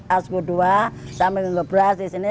asgu dua sampai minggu dua belas di sini